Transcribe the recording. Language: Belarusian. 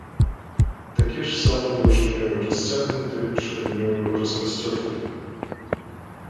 Такі ж самы даўжынёю расцягнуты, шырынёю распасцёрты.